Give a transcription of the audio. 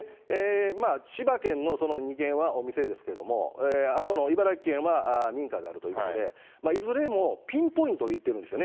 千葉県のその２件はお店ですけれども、あとの茨城県は民家であるということで、いずれもピンポイントで行ってるんですよね。